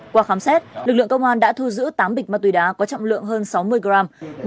qua khám xét lực lượng công an đã thu giữ tám bịch ma túy đá có trọng lượng hơn sáu mươi gram